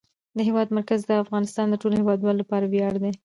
د هېواد مرکز د افغانستان د ټولو هیوادوالو لپاره ویاړ دی.